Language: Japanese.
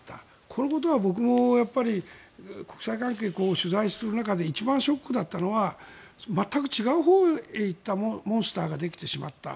このことは僕も国際関係を取材する中で一番ショックだったのは全く違うほうへ行ったモンスターができてしまった。